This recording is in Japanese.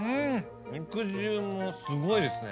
肉汁もすごいですね。